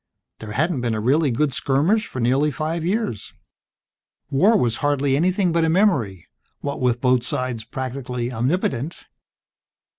There hadn't been a really good skirmish for nearly five years. War was hardly anything but a memory, what with both sides practically omnipotent.